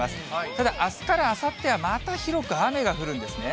ただ、あすからあさっては、また広く雨が降るんですね。